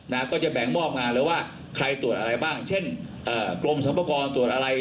นะก็จะแบ่งมอบงานเลยว่าใครตรวจอะไรบ้างเช่นเอ่อกรมสรรพากรตรวจอะไร